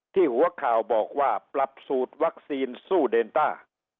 หัวข่าวบอกว่าปรับสูตรวัคซีนสู้เดนต้า